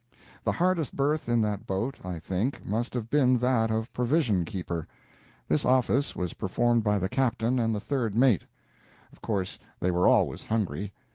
The hardest berth in that boat, I think, must have been that of provision keeper. This office was performed by the Captain and the third mate; of course they were always hungry.